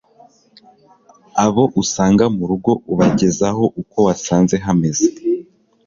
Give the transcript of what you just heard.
Abo usanga murugo ubagezaho uko wasanze hameze